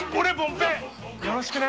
よろしくね。